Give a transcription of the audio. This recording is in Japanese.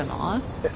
えっ？